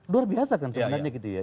luar biasa kan sebenarnya gitu ya